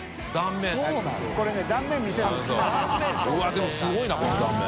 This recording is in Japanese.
でもすごいなこの断面。